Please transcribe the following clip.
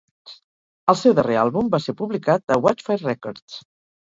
El seu darrer àlbum va ser publicat a Watchfire Records.